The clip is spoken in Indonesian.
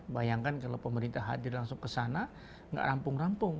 bayangkan kalau pemerintah hadir langsung ke sana nggak rampung rampung